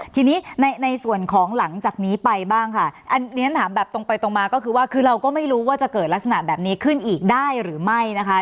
ทีนี้ในส่วนของหลังจากนี้ไปบ้างค่ะอันนี้ฉันถามแบบตรงไปตรงมาก็คือว่าคือเราก็ไม่รู้ว่าจะเกิดลักษณะแบบนี้ขึ้นอีกได้หรือไม่นะคะ